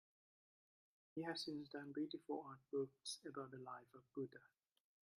He has since done beautiful art books about the life of Buddha.